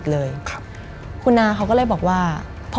มันกลายเป็นรูปของคนที่กำลังขโมยคิ้วแล้วก็ร้องไห้อยู่